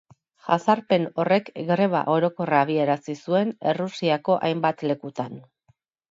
Jazarpen horrek greba orokorra abiarazi zuen Errusiako hainbat lekutan.